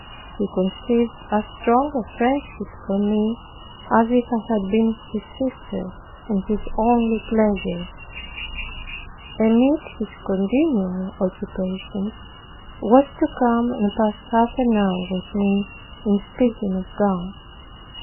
He conceived as strong a friendship for me as if I had been his sister; and his only pleasure, amid his continual occupations, was to come and pass half an hour with me in speaking of God.